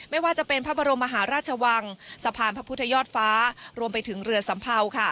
ไม่ว่าจะเป็นพระบรมมหาราชวังสะพานพระพุทธยอดฟ้ารวมไปถึงเรือสัมเภา